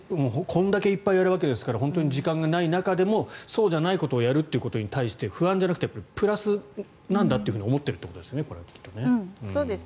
だから、これだけいっぱいやるわけですから時間がない中でもそうじゃないことをやるということに対して不安じゃなくてプラスなんだと思っているということですね。